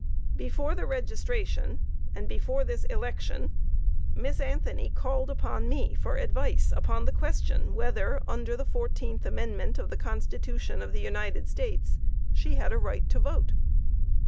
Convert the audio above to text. Before the registration, and before this election, Miss Anthony called upon me for advice upon the question whether, under the 14th Amendment of the Constitution of the United States, she had a right to vote.